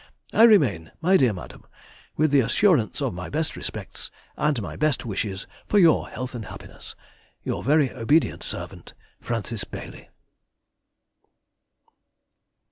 I remain, my dear madam, with the assurance of my best respects, and my best wishes for your health and happiness, Your very obedient servant, FRANCIS BAILY.